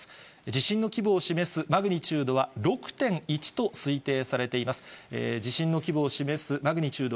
地震の規模を示すマグニチュードは６．１と推定されています。